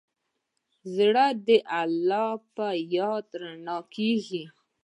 زړه د الله په یاد رڼا کېږي.